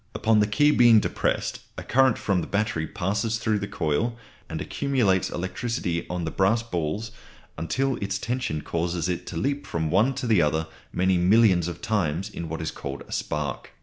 Upon the key being depressed, a current from the battery passes through the coil and accumulates electricity on the brass balls until its tension causes it to leap from one to the other many millions of times in what is called a spark.